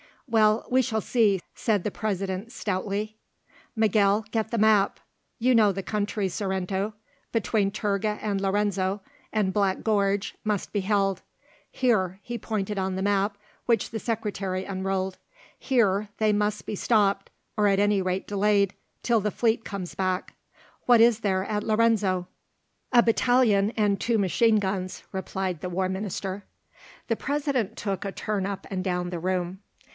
"Well, we shall see," said the President stoutly. "Miguel, get the map. You know the country, Sorrento. Between Turga and Lorenzo, the Black Gorge must be held. Here," he pointed on the map, which the Secretary unrolled, "here they must be stopped or at any rate delayed, till the fleet comes back. What is there at Lorenzo?" "A battalion and two machine guns," replied the War Minister. The President took a turn up and down the room.